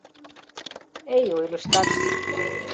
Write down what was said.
— Эй, ойлыштат...